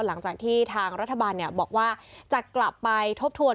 หลังจากที่ทางรัฐบาลบอกว่าจะกลับไปทบทวน